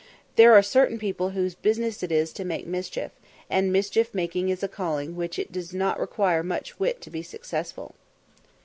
There are certain people whose business it is to make mischief, and mischief making is a calling in which it does not require much wit to be successful.